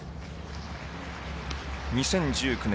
２０１９年